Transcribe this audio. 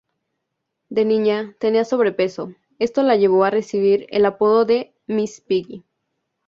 De niña, tenía sobrepeso; esto la llevó a recibir el apodo de "Miss Piggy".